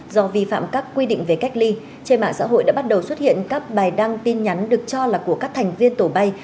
do vi phạm các quy định về cách ly trên mạng xã hội đã bắt đầu xuất hiện các bài đăng tin nhắn được cho là của các thành viên tổ bay